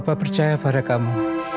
papa percaya pada kamu